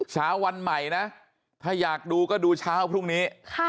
เช้าวันใหม่นะถ้าอยากดูก็ดูเช้าพรุ่งนี้